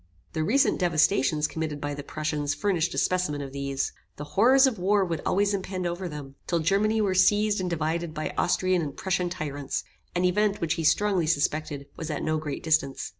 The recent devastations committed by the Prussians furnished a specimen of these. The horrors of war would always impend over them, till Germany were seized and divided by Austrian and Prussian tyrants; an event which he strongly suspected was at no great distance.